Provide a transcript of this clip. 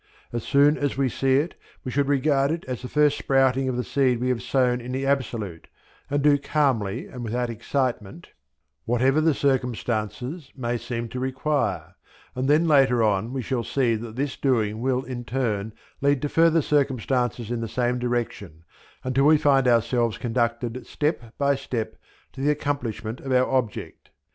As soon as we see it we should regard it as the first sprouting of the seed we have sown in the Absolute, and do calmly, and without excitement, whatever the circumstances may seem to require, and then later on we shall see that this doing will in turn lead to further circumstances in the same direction until we find ourselves conducted step by step to the accomplishment of our object.